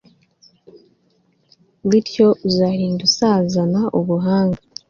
bityo uzarinda usazana ubuhanga